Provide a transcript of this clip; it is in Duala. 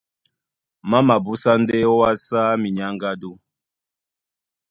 Má mabúsá ndé ówàsá minyáŋgádú.